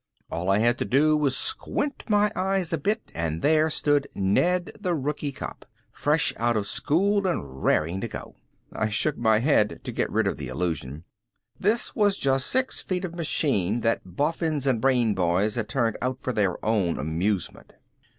All I had to do was squint my eyes a bit and there stood Ned the Rookie Cop. Fresh out of school and raring to go. I shook my head to get rid of the illusion. This was just six feet of machine that boffins and brain boys had turned out for their own amusement.